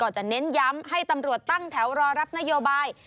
จะเน้นย้ำให้ตำรวจตั้งแถวรอรับนโยบาย